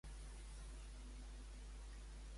Hi vivia senyals de vida a aquella zona?